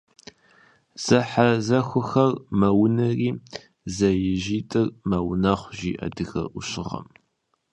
Зэхьэзэхуэр мэунэри, зэижитӀыр мэунэхъу, жи адыгэ Ӏущыгъэм.